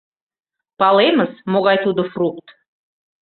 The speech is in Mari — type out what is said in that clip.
Палемыс, могай тудо фрукт.